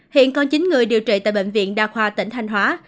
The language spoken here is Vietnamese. hiện có chín người điều trị tại bệnh viện đa khoa tỉnh thanh hóa